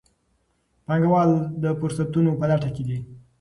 پانګوال د فرصتونو په لټه کې دي.